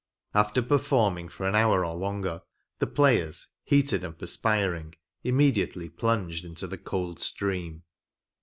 After performing for an hour or longer, the players, heated and perspiring, immediately plunged into the cold stream.